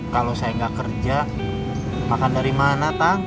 kalau saya nggak kerja makan dari mana kang